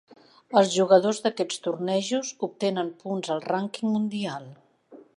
Els jugadors d'aquests tornejos obtenen punts al rànquing mundial.